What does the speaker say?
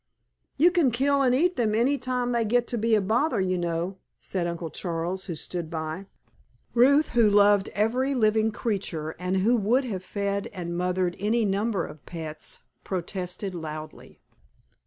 "You can kill and eat them any time they get to be a bother, you know," said Uncle Charles, who stood by. Ruth, who loved every living creature, and who would have fed and mothered any number of pets, protested loudly.